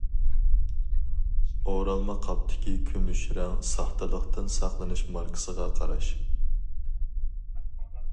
ئورالما قاپتىكى كۈمۈش رەڭ ساختىلىقتىن ساقلىنىش ماركىسىغا قاراش.